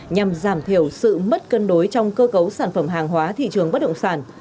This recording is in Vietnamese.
nhằm giảm thiểu sự mất cân đối trong cơ cấu sản phẩm hàng hóa thị trường bất động sản